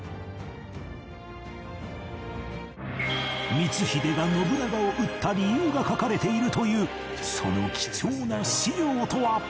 光秀が信長を討った理由が書かれているというその貴重な史料とは？